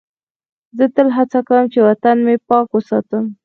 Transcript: زه تل هڅه کوم چې وطن مې پاک وساتم.